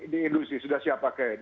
di industri sudah siap pakai